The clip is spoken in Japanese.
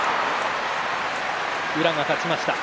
宇良が勝ちました。